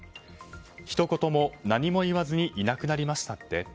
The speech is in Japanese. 一言も何も言わずにいなくなりましたって？